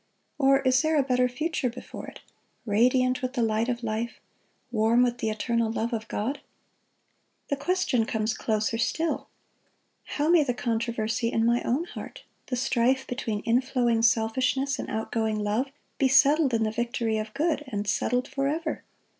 or is there a better future before it, radiant with the light of life, warm with the eternal love of God? The question comes closer still: How may the controversy in my own heart, the strife between inflowing selfishness and outgoing love, be settled in the victory of good, and settled forever?